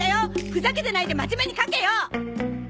ふざけてないで真面目に描けよ！